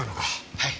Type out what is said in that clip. はい。